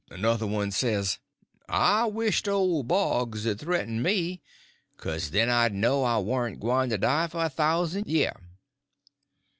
Another one says, "I wisht old Boggs 'd threaten me, 'cuz then I'd know I warn't gwyne to die for a thousan' year."